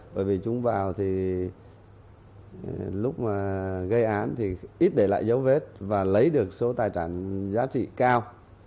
bởi vì chúng vào thì lúc mà gây án thì ít để lại dấu vết và lấy được số tài sản giá trị cao